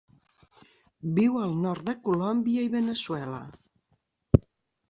Viu al nord de Colòmbia i Veneçuela.